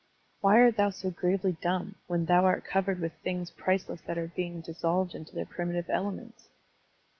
Why art thou so gravely dumb, when thou art covered with things priceless that are being dissolved into their primitive elements?